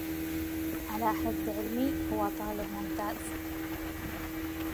على حد علمي، هو طالب ممتاز.